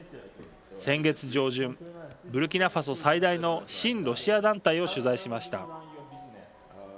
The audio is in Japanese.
先月上旬、ブルキナファソ最大の親ロシア団体を取材しました。